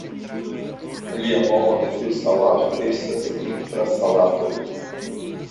Alia nomo de tiu salato estas "Vintra salato".